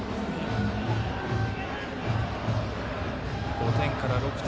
５点から６点